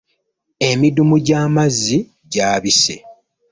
Emiddumu gy'amazzi gyabise.